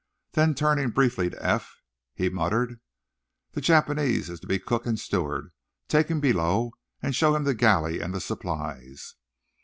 Then, turning briefly to Eph, he muttered: "The Japanese is to be cook and steward. Take him below, and show him the galley and the supplies."